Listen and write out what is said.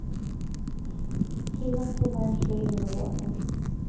He went to learn trade in Livorno.